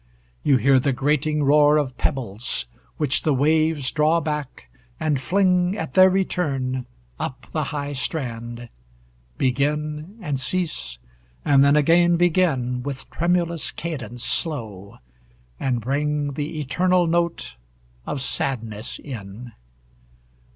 you hear the grating roar Of pebbles which the waves draw back, and fling, At their return, up the high strand, Begin and cease, and then again begin, With tremulous cadence slow, and bring The eternal note of sadness in.